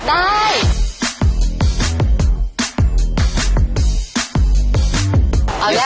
ได้